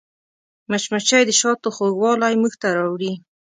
مچمچۍ د شاتو خوږوالی موږ ته راوړي